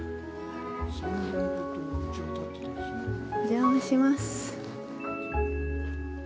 お邪魔します。